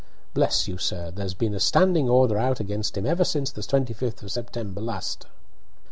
Bless you, sir! there's been a standing order out against him ever since the 25th of September last."